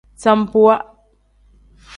Sambuwa.